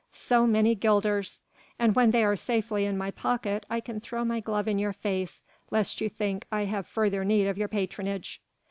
So many guilders! and when they are safely in my pocket I can throw my glove in your face lest you think I have further need of your patronage."